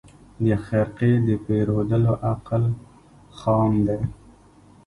د خرقې د پېرودلو عقل خام دی